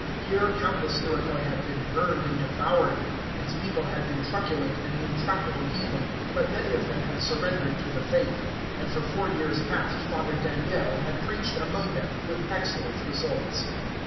Here countless Iroquois had been burned and devoured. Its people had been truculent and intractable heathen, but many of them had surrendered to the Faith, and for four years past Father Daniel had preached among them with excellent results.